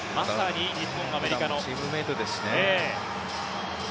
チームメートですしね。